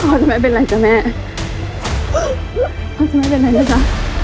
จะไม่เป็นไรจ้ะแม่พ่อจะไม่เป็นไรล่ะจ๊ะ